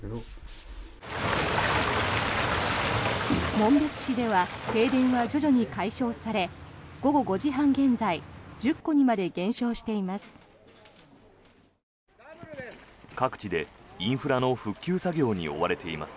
紋別市では停電は徐々に解消され午後５時半現在１０戸にまで減少しています。